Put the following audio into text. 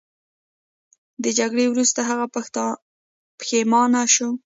د جګړې وروسته هغه پښیمانه شو.